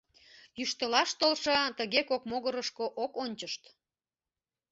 Йӱштылаш толшо тыге кок могырышко ок ончышт...